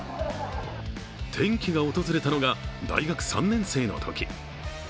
転機が訪れたのが大学３年生のとき。